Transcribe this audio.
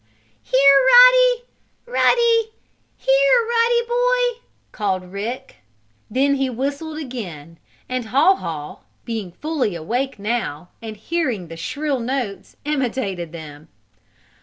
"Here, Ruddy! Ruddy! Here, Ruddy, boy!" called Rick. Then he whistled again, and Haw Haw, being fully awake now, and hearing the shrill notes, imitated them.